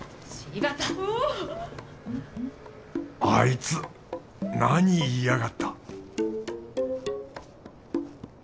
あいつ何言いやがった？